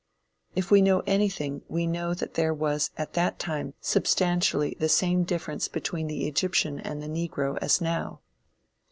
If we know anything, we know that there was at that time substantially the same difference between the Egyptian and the Negro as now.